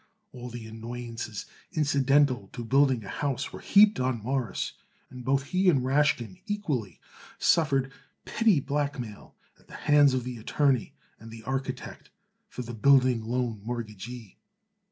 All the annoyances incidental to building a house were heaped on Morris, and both he and Rashkin, equally, suffered petty blackmail at the hands of the attorney and the architect for the building loan mortgagee.